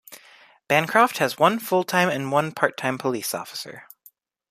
Bancroft has one full-time and one part-time police officer.